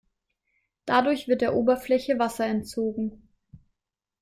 Dadurch wird der Oberfläche Wasser entzogen.